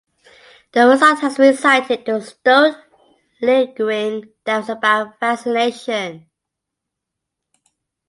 The result has been cited to stoke lingering doubts about vaccination.